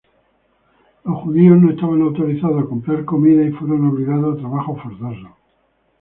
Los judíos no estaban autorizados a comprar comida y fueron obligados a trabajos forzosos.